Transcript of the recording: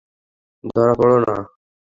ধরা পড়ো না।